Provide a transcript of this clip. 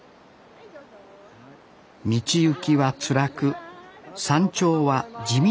道行きはつらく山頂は地味な光岳。